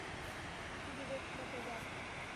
Тиде вет — краковяк.